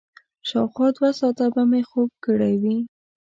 شاوخوا دوه ساعته به مې خوب کړی وي.